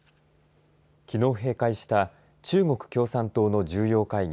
きのう閉会した中国共産党の重要会議